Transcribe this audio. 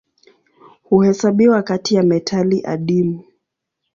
Huhesabiwa kati ya metali adimu.